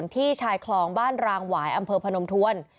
ที่ชายคลองบ้านรางหวายอำเภอพนมทวน